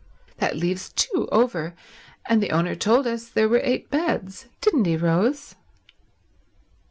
That leaves two over, and the owner told us there were eight beds— didn't he Rose?"